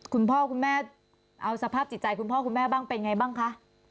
คุณพ่อคุณแม่เอาสภาพจิตใจคุณพ่อคุณแม่บ้างเป็นไงบ้างคะ